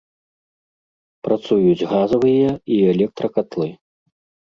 Працуюць газавыя і электракатлы.